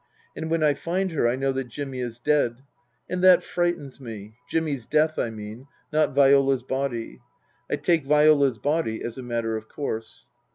And when I find her I know that Jimmy is dead. And that frightens me Jimmy's death, I mean, not Viola's body. I take Viola's body as a matter of course.